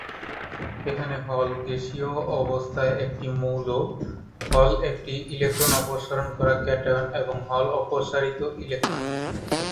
এখানে, হল গ্যাসীয় অবস্থায় একটি মৌল, হল একটি ইলেকট্রন অপসারণ করা ক্যাটায়ন এবং হল অপসারিত ইলেকট্রন।